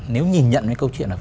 nếu nhìn nhận câu chuyện